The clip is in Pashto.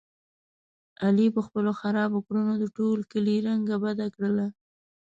علي په خپلو خرابو کړنو د ټول کلي رنګه بده کړله.